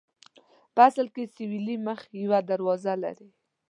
په اصل کې سویلي مخ یوه دروازه لري.